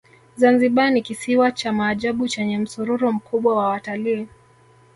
zanzibar ni kisiwa cha maajabu chenye msururu mkubwa wa watalii